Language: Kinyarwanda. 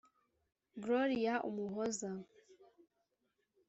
Gloria Umuhoza